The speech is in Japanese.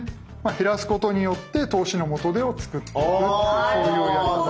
減らすことによって投資の元手を作っていくっていうそういうやり方。